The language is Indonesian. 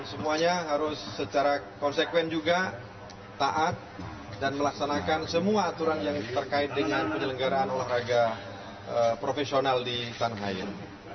dan semuanya harus secara konsekuen juga taat dan melaksanakan semua aturan yang terkait dengan penyelenggaraan olahraga profesional di tanahayun